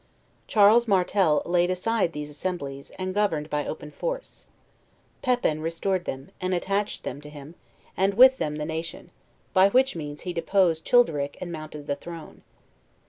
Charles Martel laid aside these assemblies, and governed by open force. Pepin restored them, and attached them to him, and with them the nation; by which means he deposed Childeric and mounted the throne.